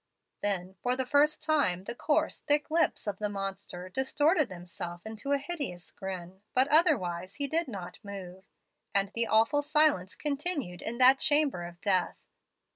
"Then for the first time the coarse, thick lips of the monster distorted themselves into a hideous grin, but otherwise he did not move, and the awful silence continued in that chamber of death.